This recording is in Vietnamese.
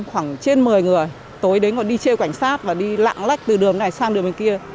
khoảng trên một mươi người tối đến còn đi chê cảnh sát và đi lạng lách từ đường này sang đường bên kia